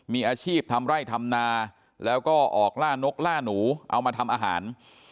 มีอาชีพทำไร่ทำนาแล้วก็ออกล่านกล่าหนูเอามาทำอาหาร